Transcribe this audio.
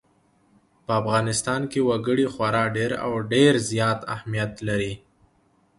په افغانستان کې وګړي خورا ډېر او ډېر زیات اهمیت لري.